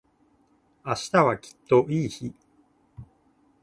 明日はきっといい日